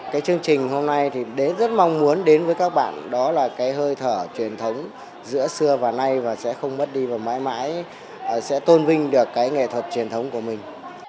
cái chương trình hôm nay thì đến rất mong muốn đến với các bạn đó là cái hơi thở truyền thống giữa xưa và nay và sẽ không mất đi và mãi mãi sẽ tôn vinh được cái nghệ thuật truyền thống của mình